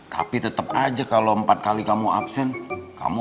tapi tetep aja kalau empat hari nanti ya